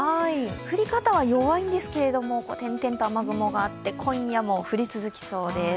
降り方は弱いんですけれども、点々と雨雲があって今夜も降り続きそうです。